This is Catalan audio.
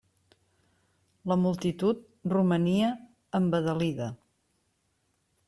La multitud romania embadalida.